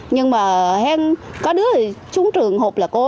nhưng mà có đứa thì xuống trường hộp là có đất